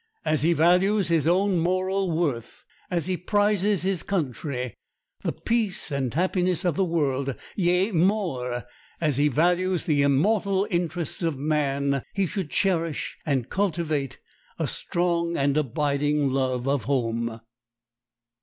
As he values his own moral worth, as he prizes his country, the peace and happiness of the world; yea, more, as he values the immortal interests of man, he should cherish and cultivate a strong and abiding love of home.